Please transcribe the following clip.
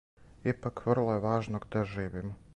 Ипак, врло је важно где живимо.